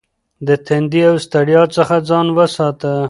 د تندې او ستړیا څخه ځان وساته.